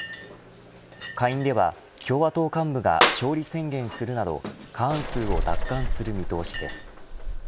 下院では共和党幹部が勝利宣言するなど過半数を奪還する見通しです。